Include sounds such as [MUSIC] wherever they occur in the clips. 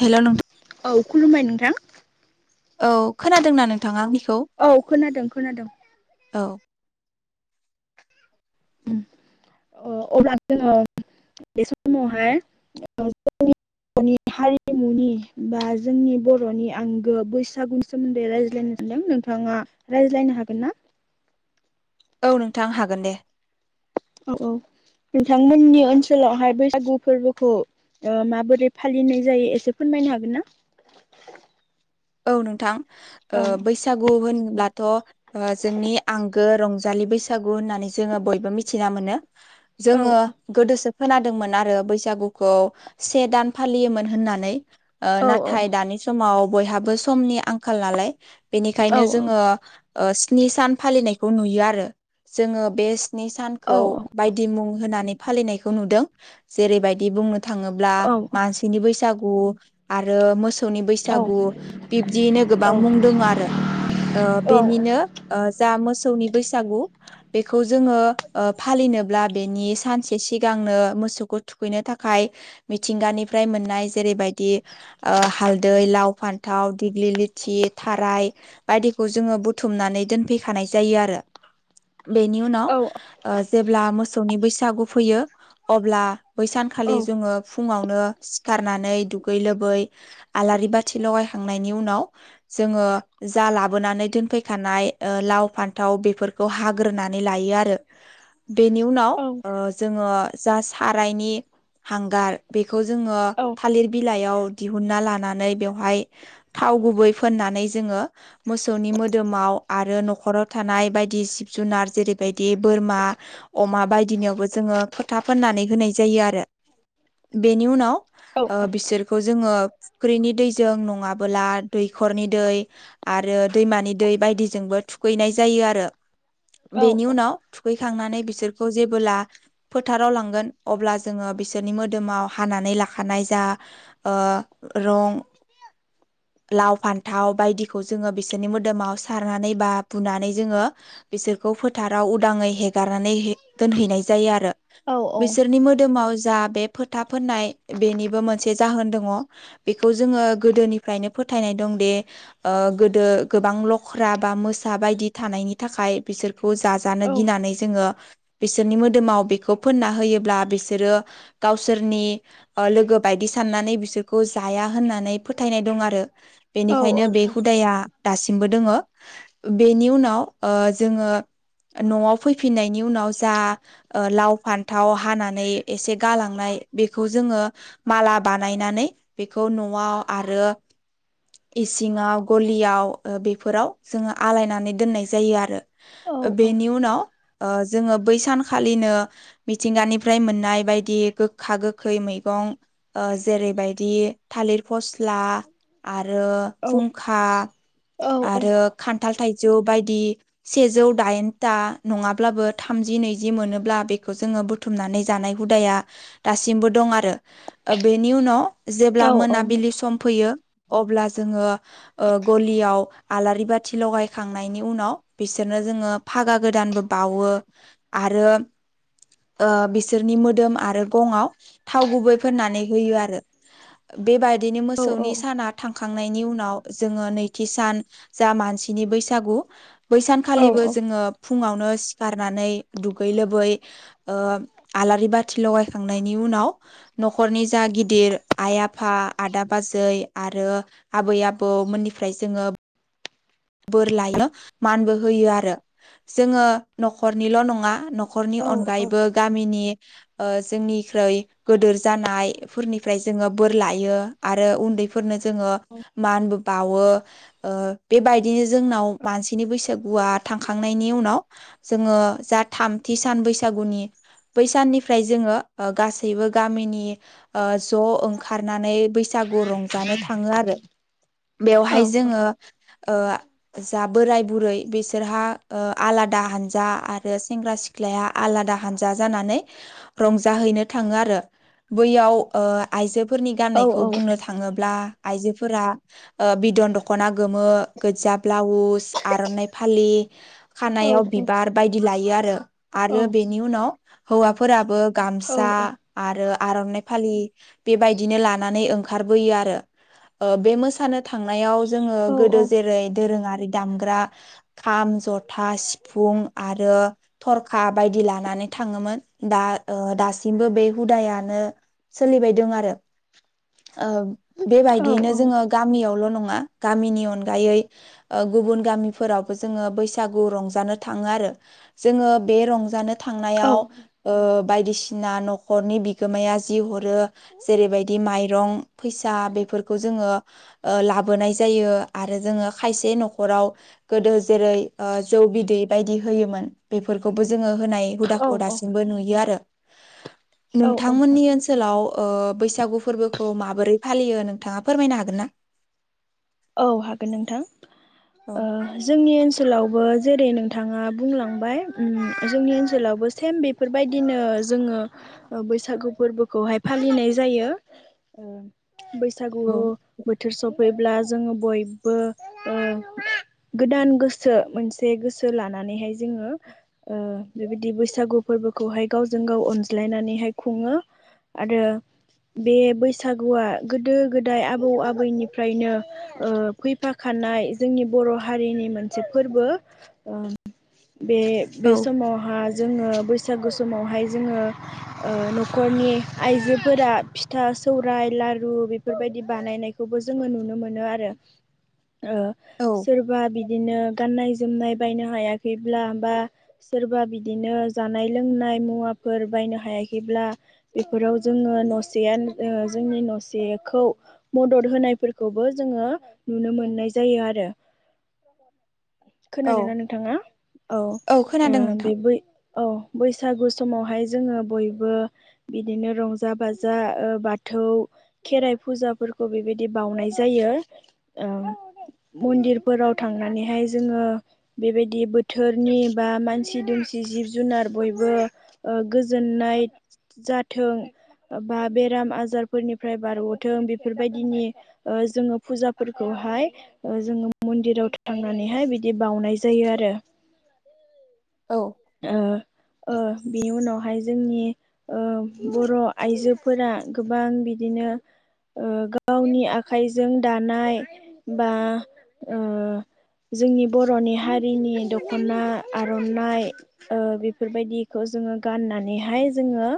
हेल' औ खुलुमबाय नोंथां औ खोनादों ना नोंथाङा आंनिखौ औ खोनादों खोनादों औ अब्ला जोङो बे समावहाय जोंनि बर'नि हारिमु बा जोंनि बर'नि आंगो बैसागुनि सोमोन्दै रायज्लायनो सानदों नोंथाङा रायज्लायनो हागोन ना औ नोंथां हागोन दे औ औ नोंथांमोननि ओनसोलावहाय बैसागु फोरबोखौ माबोरै फालिनाय जायो एसे फोरमायनो हागोन ना औ नोंथां औ बैसागु होनब्लाथ' जोंनि आंगो रंजा लि बैसागु होननानै जोङो बयबो मिथिना मोनो औ जोङो गोदो खोनादोंमोन आरो बैसागुखौ से दान फालियोमोन होननानै औ नाथाय दानि समाव बयहाबो समनि आंखाल नालाय औ बेनिखायनो जोङो स्नि सान फालिनायखौ नुयो आरो जोङो बे स्नि औ सानखौ बायदि मुं होनानै फालिनायखौ नुदों जेरैबायदि बुंनो थाङोब्ला औ मानसिनि बैसागु आरो मोसौनि औ बैसागु बिब्दियैनो गोबां औ मुं दङ आरो औ बेनिनो ओह मोसौनि बैसागु बेखौ जोङो फालिनोब्ला बेनि सानसे सिगां मोसौखौ थुखैनो थाखाय मिथिंगानिफ्राय मोननाय जेरैबायदि हाल दै लाव फान थाव दिग्लि लिथि थाराय बायदिखौ जोङो बुथुमनानै दोनफैखानाय जायो आरो [INAUDIBLE] बेनि उनाव औ जेब्ला मोसौनि बैसागु फैयो अब्ला बैसानखालि औ जोङो फुङावनो सिखारनानै दुगै लोबै आलारि बाथि लगाय थांनायनि उनाव जोङो जा लाबोनानै दोनफैखानाय लाव फान्थाव बेफोरखौ हा ग्रोनानै लायो आरो बेनि उनाव ओ जोङो जा सारायनि हांगार बेखौ जोङो थालिर बि बिलाइयाव दिहुनन्ना लानानै बेवहाय थाव गुबै फोननानै जोङो मोसौनि मोदोमाव आरो न'खराव थानाय बायदि दि जिब जुनार जेरैबायदि बोरमा अमा बायदिनियावबो जोङो फोथा फोननानै होनाय जायो आरो बेनि उनाव औ औ जोंङो फुख्रिनि दैजों न नंङाबोला दैखरनि दै आरो दैमानि दै बायदिजोंबो थुखैनाय जायो आरो बेनि उनाव थुखै खांनानै बिसोरखौ जेबो फोथाराव लांगोन अब्ला जोंङो बिसोरनि मोदोमाव हानानै लाखानाय जा रं [UNINTELLIGIBLE] लाव फान्थाव बायदिखौ जोङो बिसोरनि मोदोमाव सारनानै बा बुनानै जोंङो बिसोर फोथाराव उदांङै हगारनानै दोनैनाय जायो आरो औ औ बिसोरनि मोदोमाव जा बे फोथा फोननाय बेनिबो मोनसे जाहोन दंङो बेखौ जोंङो गोदोनि फ्रायनो फोथायनाय दंदि गोदो गोबां लख्रा बा मोसा बायदि थानायनि थाखाय बिसोरखौ जाजानो औ गिनानै जोंङो बिसोरनि मोदोमाव बेखौ फोनना होयोब्ला बिसोर गावसोरनि लोगो बायदि साननानै बिसोरखौ जाया होननानै फो फोथायनाय दं आरो औ बेनिखायनो बे हुदाया दासिमबो दोंङो बेनि उनाव जोंङो न'आव फैफिननायनि उनाव जा लाव फान्थाव हानानै एसे गालांनाय जोंङो माला बानायनानै बेखौ न'आव आरो इसिङाव गलियाव बेफोराव जोंङो आलायनानै दोननाय जायो आरो बेनि उनाव जोंङो बै सानखालिनो मिथिंगानिफ्राय मोननाय बायदि गोखा गोखै मै जैबायदि थालिर फ फसला आरो फुंखा आरो खानथाल थाइ जौ बायदि सेजौ दाइनथा नङाब्लाबो थामजि नैजि मोनोब्ला बेखौ जोंङो बुथुमनानै जानाय हुदाया दासिमबो दं आरो बेनि उनाव जेब्ला मोनाबिलि सम फैयो अब्ला जोंङो गलियाव आलारि बाथि लगायखांनायनि उनाव बिसोरनो जों फागा गोदानबो बावो आरो बिसोरनि मोदोम आरो गंआव थाव गुबै फाननानै होयो आरो बेबायदिनो मोसौनि साना थांखां खांनायनि उनाव जोंङो नैथि सान जा मानसिनि बैसागु बैसानखालिबो जोंङो फुङावनो सिखारनानै दुगै लोबै आलारि बाथि लगायखांनायनि उनाव न'खरनि जा गिदिर आइ आफ आफा आदा बाजै आरो आबै आबौमोननिफ्राय जोंङो बोर लायो मानबो होयो आरो जोंङो न'खरनिल' नंङा न'खरनि अनगायैबो गामिनि जोंनिख्रुइ गेदोर जानायफोरनिफ्राय जोंङो बोर लायो आरो उन्दै मानबो बावो बेबायदिनो बिदिनो जोंनाव मानसिनि बैसागुआ थांखांनायनि उनाव जोंङो जा थामथि सान बैसागुनि बैसाननिफ्राय जोंङो गासैबो गामिनि ज' ओंखारनानै बैस बैसागु रंजानो थांङो आरो बेयावहाय जोंङो जा बोराय बुरै बिसोरहा आलादा हानजा आरो सेंग्रा सिख्लाया आलादा हानजा जानानै रंजाहैनो थांङो आरो बैयाव आइजो फोरनि गाननायखौ बुंनो थांङोब्ला आइजोफोरा बिदन दख'ना गोमो गोजा ब्लाउस आर'नाइ फालि खानायाव बिबार बायदि लायो आरो। आरो बेनि उनाव हौवाफोराबो गामसा आरो। आर'नाइ फालि बेबायदिनो लानानै ओंखारबोयो आरो। बे मोसानो थांनायाव जोंङो गोदो जेरै दोरोंङारि दामग्रा खाम जथा सिफुं आरो थर खा बायदि लानानै थांङोमोन दा दासिमबो बे हुदायानो सोलिबायदों आरो ओ बेबायदियैनो जोङो गामियावल' नङा गामिनि अनगा गायै गुबुन गामिफोरावबो जोङो बैसागु रंजानो थाङो आरो जोङो बे रंजानो थांनायाव ओ बायदिसिना न'खरनि बिगोमाया जि हरो जेरैबायदि माइरं फैसा बे बेफोरखौ जोङो लाबोनाय जायो। आरो जोङो खायसे न'खराव गोदो जेरै जौ बिदै बायदि होयोमोन। बेफोर बेखौबो जोङो होनाय हुदाखौ औ दासिमबो नुयो आरो। औ औ नोंथांमोननि ओनसोलाव बैसागु फोरबोखौ माबोरै फालियो नोंथाङा फोरमायनो हागोन ना? औ हागोन नोंथां औ जोंनि ओनसोलाव जेरै नोंथाङा बुंलांबाय जोंनि ओनसोलावबो सेम बेफोरबायदिनो जोङो ओ बैसागो फोरबोखौहाय फालिनाय जायो। बैसागु औ बोथोर सफैब्ला जोङो बयबो गोदान गोसो मोनसे गोसो लानानैहाय जों जोङो बेबायदि बैसागु फोरबोखौहाय गावजों गाव अनज्लायनानैहाय खुङो। आरो बे बैसागुआ गोदो गोदाय आबौ आबैनिफ्रायनो फैफाखानाय जोंनि बर' हारिनि मोनसे फोरबो औ बे समावहा जोङो बैसा बैसागु समावहाय जोङो न'खरनि आइजोफोरा फिथा सौराय लारु बेफोरबायदि बानायनायखौबो जोङो नुनो मोनो। नो मोनो आरो सोरबा बिदिनो गाननाय जोमनाय बायनो हायाखैब्ला बा सोरबा बिदिनो जानाय लोंनाय मुवाफोर बायनो हाया। बिदिब्ला इफोराव जोङो नसेया जोंनि नसेखौ मदद होनो नायफोरखौबो जोङो नुनो मोननाय जायो आरो। औ खोनादोंना नोंथाङा औ खोनादों नोंथां बे औ बैसागु समावहाय जोङो बयबो बिदिनो रंजा बाजा बाथौ खेराइ फुजाफोरखौ बेबायदि बाउनाय जायो ओ। मन्दिरफोराव थांनानैहाय जोङो बेबायदि बोथोरनि बा मानसि दुमसि सि जिब जुनार बयबो गोजोननाय जाथों बा बेराम आजारफोरनिफ्राय बारग'थों बेफोरबायदिनि जोङो फुजाफोरखौहाय जोङो मन्दिराव थांनानैहाय बिदि बाउनाय जायो आरो। औ आ बिनि उनावहाय जोंनि बर' आइजोफोरा गोबां बिदिनो गावनि आखाइजों दानाय बा ओ जोंनि बर'नि हारिनि दख'ना आर'नाइ बेफोरबायदिखौ जोङो गाननानैहाय जोङो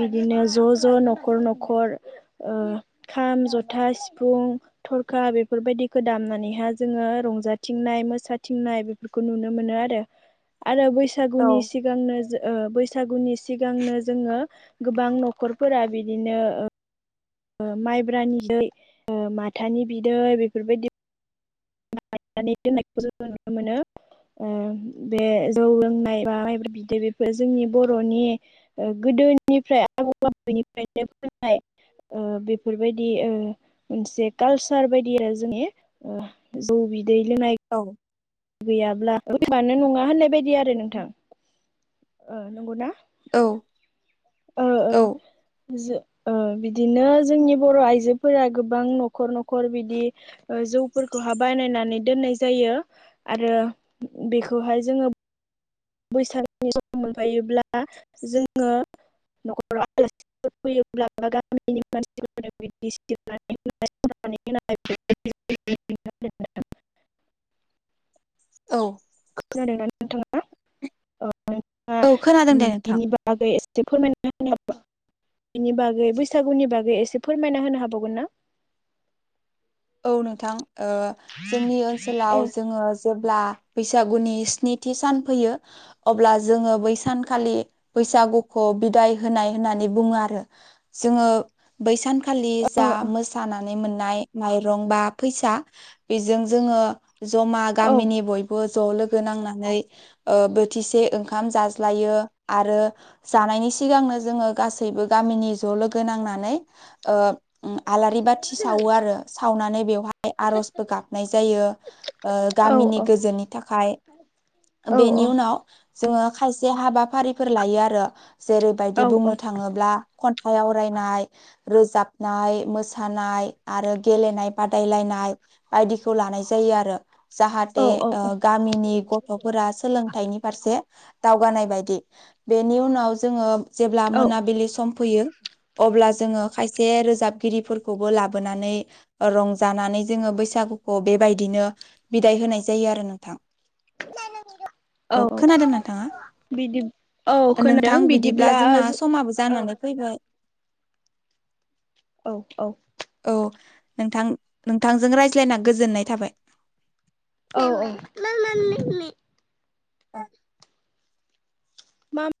बिदिनो ज' ज' न'खर न'खर ओ खाम जथा सिफुं थरखा बेफोरबायदिखौ दामनानैहा जोङो रंजाथिंनाय मोसाथिंनाय बेफोरखौ नुनो मोनो आरो आरो बैसागुनि सिगांनो बैसागुनि सिगांनो जोङो गोबां न'खरफोरा बिदिनो माइब्रानि बिदै माथानि बिदै बेफोरबायदि नानै दोननायखौ जोङो नुनो मोनो बे जौ लोंनाय बा माइब्रा बिदै बेफोर जोंनि बर'नि गो गोदोनिफ्राय आबौ आबौनिफ्रायनो मोननाय बेफोरबायदि मोनसे कालसार बायदि आरो जोंनि जौ बिदै लोंनाय औ गैयाब्लाबानो नङा होननाय बायदि आरो नोंथां ओ नंगौना औ ओ औ ओ बिदिनो जोंनि बर' आइजोफोरा गोबां न'खर न'खर बिदि ओ जौफोरखौहाय बानायनानै दोननाय जायो आरो बेखौहाय जोङो बैसागोनि सम मोनफैयोब्ला जोङो न'खराव आलासिफोर फैयोब्लाा गामिनि मानसिफोरनो बिदि सिरनानै होनाय औ [UNINTELLIGIBLE] खोनादोंनानै नोंथाङा नोंथाङा औ खोनादों दे नोंथां। बिनि बागै एसे फोरमायना होनोबा बेनि बागै बैसागुनि बागै एसे फोरमायना होनो हाबावगोन ना औ नोंथां ओ जोंनि औ ओनसोलाव जोङो जेब्ला बैसागुनि स्निथि सान फैयो अब्ला जोङो बै सानखालि बैसागुखौ बिदाइ होनाय होननानै बुङो आरो जोङो बै सानखौ खालि औ जा मोसानानै मोननाय माइरं बा फैसा बेजों जोङो जमा औ गामिनि बयबो ज लोगो नांनानै बोथिसे ओंखाम जाज्लायो आरो जानायनि सिगांनो जोङो गासैबो गामिनि ज' लोगो नांनानै ओ आलारि बाथि सावो आरो सावनानै बेवहाय आर'जबो गाबनाय जायो ओ औ गामिनि गोजोननि थाखाय औ बेनि उनाव जोङो खायसे हाबाफारिफोर लायो आरो जेरैबायदि औ बुंनो थाङोब्ला खन्थाइ आवरायनाय रोजाबनाय मोसानाय आरो गेलेनाय बादायलायनाय बायदिखौ लानाय जायो आरो जाहाथे औ औ ओ औ गामिनि गथ'फोरा सोलोंथाइनि फारसे दावगानाय बायदि बेनि उनाव जोङो जेब्ला औ मोनाबिलि सम फैयो अब्ला जोङो खायसे रोजाबगिरिफोरखौबो लाबोनानै रंजानानै जोङो बैसागुखौ बेबायदिनो बिदाय होनाय जायो आरो नोंथां औ खोनादों नोंथाङा बिदि औ नोंथां खोनादों बिदिब्ला औ जोंना समाबो जानानै औ फैबाय औ औ औ नोंथां नोंथांजों रायज्लायना गोजोननाय थाबाय औ औ औ [UNINTELLIGIBLE]